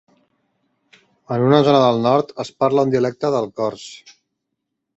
En una zona del nord es parla un dialecte del cors.